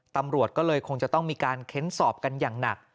ตำรวจก็เลยต้องการเค้นสอบกันหนัก